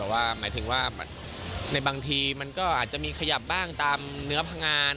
แต่ว่าหมายถึงว่าในบางทีมันก็อาจจะมีขยับบ้างตามเนื้อพังงาน